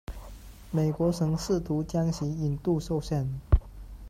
美国曾试图将其引渡受审。